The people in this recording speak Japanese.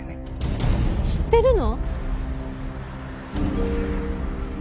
知ってるの？